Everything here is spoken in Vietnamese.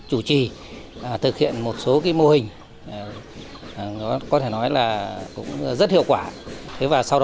chủ trì thực hiện một số mô hình có thể nói là rất hiệu quả